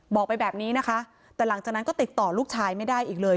บอกไปแบบนี้นะคะแต่หลังจากนั้นก็ติดต่อลูกชายไม่ได้อีกเลย